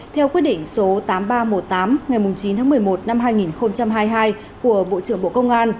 theo quyết định số tám nghìn ba trăm một mươi tám ngày chín tháng một mươi một năm hai nghìn hai mươi hai của bộ trưởng bộ công an